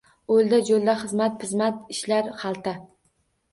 Oʼlda-joʼlda xizmat-pizmat, ishlar xalta.